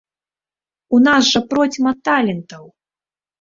У нас жа процьма талентаў!